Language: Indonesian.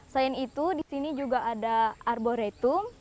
selain itu disini juga ada arboretum